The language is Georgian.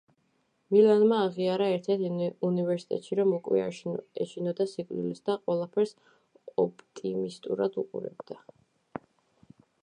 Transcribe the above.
მილენმა აღიარა ერთ-ერთ ინტერვიუში, რომ უკვე არ ეშინოდა სიკვდილის და ყველაფერს ოპტიმისტურად უყურებდა.